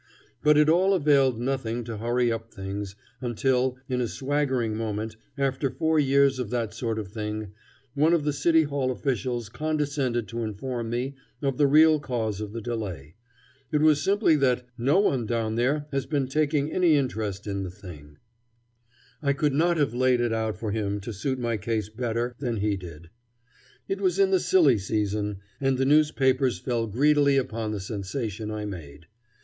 But it all availed nothing to hurry up things, until, in a swaggering moment, after four years of that sort of thing, one of the City Hall officials condescended to inform me of the real cause of the delay. It was simply that "no one down there had been taking any interest in the thing." [Illustration: Bandits' Roost a Mulberry Bend Alley.] I could not have laid it out for him to suit my case better than he did. It was in the silly season, and the newspapers fell greedily upon the sensation I made.